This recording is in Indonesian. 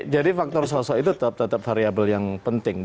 jadi faktor sosok itu tetap variable yang penting